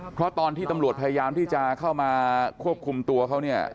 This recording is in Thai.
เพราะตอนที่ตำรวจพยายามที่จะเข้ามาควบคุมตัวเขาเนี่ย